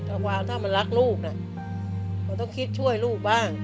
กลางวันถ้ามันรักลูกน่ะมันต้องคิดช่วยลูกบ้าง